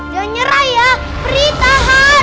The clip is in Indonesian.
jangan nyerah ya peri tahan